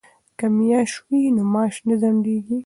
که میاشت وي نو معاش نه ځنډیږي.